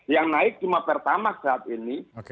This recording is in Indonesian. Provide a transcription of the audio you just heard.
yang naik cuma pertamax saat ini oke